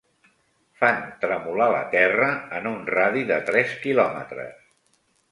Fan tremolar la terra en un radi de tres quilòmetres.